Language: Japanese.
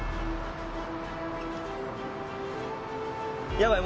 やばい